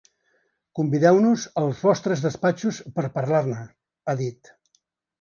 Convideu-nos als vostres despatxos per parlar-ne, ha dit.